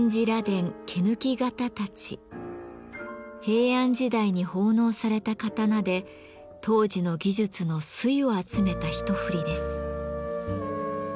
平安時代に奉納された刀で当時の技術の粋を集めた一振りです。